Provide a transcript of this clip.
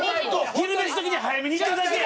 昼飯時に早めに行っただけや！